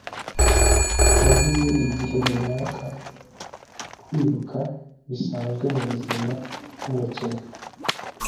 Nagize igihe runaka kwiruka bisanzwe mubuzima bwumukinnyi